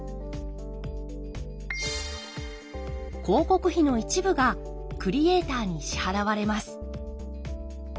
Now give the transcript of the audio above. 広告費の一部がクリエーターに支払われます。